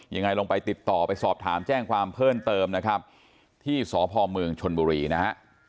ยังไงลองไปติดต่อไปสอบถามแจ้งความเพิ่มเติมนะครับที่สพเมืองชนบุรีนะฮะ